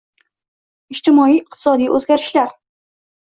Ijtimoiy-iqtisodiy o‘zgarishlar.